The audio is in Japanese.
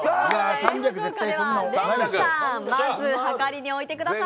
ＬＥＯさん、まず、はかりに置いてください。